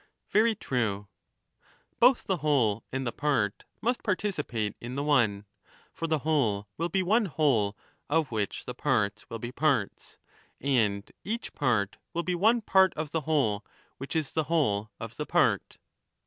Very true. Both the whole and the part must participate in the one ; for the whole will be one whole, of which the parts will be parts ; and each part will be one part of the whole which is the whole of the part.